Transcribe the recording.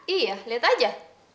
iya liat aja